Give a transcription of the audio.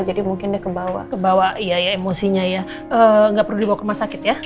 jadi kebawa juga pasti